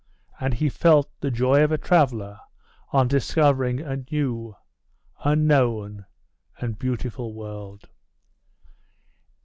And he felt the joy of a traveller on discovering a new, unknown, and beautiful world.